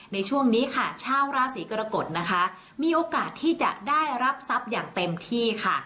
ในช่วงนี้ค่ะชาวราศีกรกฎนะคะมีโอกาสที่จะได้รับทรัพย์อย่างเต็มที่ค่ะ